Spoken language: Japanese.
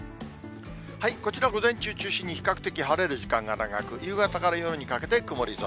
こちら、午前中中心に比較的晴れる時間が長く、夕方から夜にかけて曇り空。